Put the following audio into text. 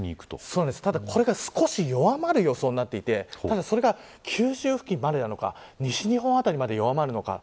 ただ、これが少し弱まる予想になっていてそれが、九州付近までなのか西日本付近まで弱まるのか。